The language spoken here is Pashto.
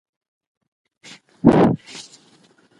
د شرعي نکاح نه کولو په صورت کي انسان نوري ناروا لاري لټوي